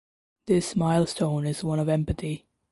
This milestone is one of empathy.